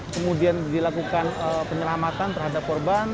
kemudian dilakukan penyelamatan terhadap korban